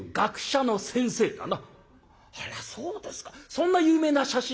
そんな有名な写真家」。